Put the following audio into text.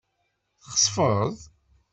Txesfeḍ.